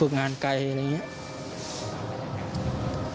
ลูกนั่นแหละที่เป็นคนผิดที่ทำแบบนี้